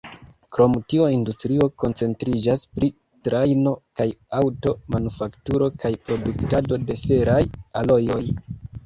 Krom tio, industrio koncentriĝas pri trajno- kaj aŭto-manufakturo kaj produktado de feraj alojoj.